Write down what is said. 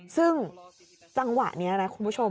ซึ่งจังหวะนี้นะคุณผู้ชม